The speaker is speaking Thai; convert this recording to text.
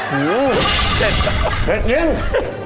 โห้เผ็ดเย็นน้อย